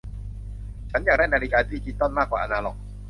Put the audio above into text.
ฉันอยากได้นาฬิกาดิจิตอลมากกว่าอนาล็อก